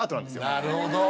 なるほど。